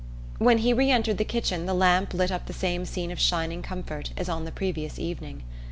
When he re entered the kitchen the lamp lit up the same scene of shining comfort as on the previous evening.